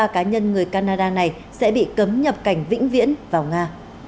bốn mươi ba cá nhân người canada này sẽ bị cấm nhập cảnh vĩnh viễn vào nga